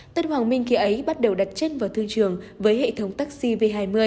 tân hoàng minh kia ấy bắt đầu đặt chân vào thương trường với hệ thống taxi v hai mươi